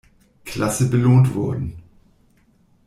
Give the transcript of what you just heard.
Klasse belohnt wurden.